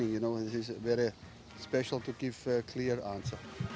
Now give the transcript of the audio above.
ini sangat istimewa untuk memberikan jawaban yang jelas